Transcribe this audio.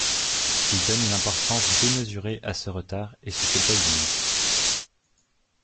Il donne une importance démesurée à ce retard et se culpabilise.